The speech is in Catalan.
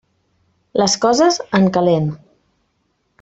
Les coses, en calent.